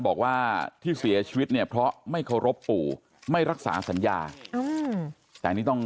บอกว่าที่เสียชีวิตเนี่ยเพราะไม่เคารพปู่ไม่รักษาสัญญาแต่อันนี้ต้อง